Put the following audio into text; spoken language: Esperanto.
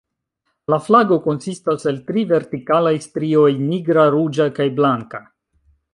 La flago konsistas el tri vertikalaj strioj: nigra, ruĝa kaj blanka.